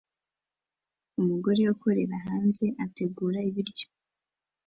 Umugore ukorera hanze ategura ibiryo